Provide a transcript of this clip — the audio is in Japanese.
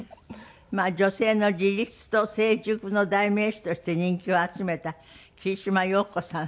まあ女性の自立と成熟の代名詞として人気を集めた桐島洋子さん。